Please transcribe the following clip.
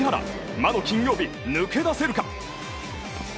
魔の金曜日抜け出せるか。